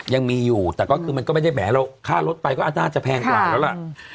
ยังมีอยู่แต่ก็คือมันก็ไม่ได้แหมเราค่ารถไปก็น่าจะแพงกว่าแล้วล่ะ